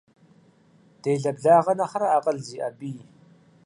Делэ благъэ нэхърэ, акъыл зиӀэ бий.